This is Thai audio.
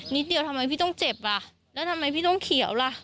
เดียวทำไมพี่ต้องเจ็บล่ะแล้วทำไมพี่ต้องเขียวล่ะ